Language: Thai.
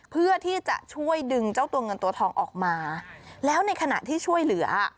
เพื่อที่จะช่วยดึงเจ้าตัวเงินตัวทองออกมาแล้วในขณะที่ช่วยเหลือ